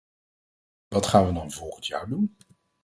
Wat gaan we dan volgend jaar doen?